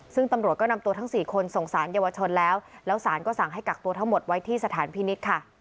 ซึ่งตำรวจก็นำตัวทั้ง๔คนส่งสารเยาวชนแล้วแล้วสารก็สั่งให้กักตัวทั้งหมดไว้ที่สถานพินิษฐ์ค่ะ